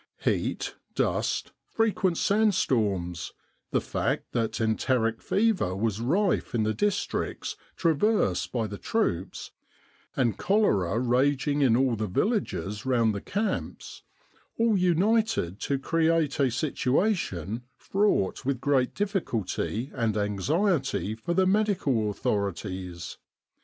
Heat, dust, frequent sandstorms, the fact that enteric fever was rife in the districts traversed by the troops, and cholera raging in all the villages round the camps, all united to create a situation fraught with great difficulty and anxiety for the. medical authorities.